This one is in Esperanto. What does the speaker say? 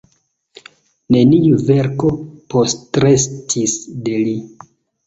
Neniu verko postrestis de li.